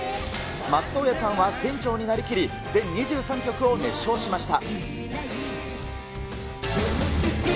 松任谷さんは船長になりきり、全２３曲を熱唱しました。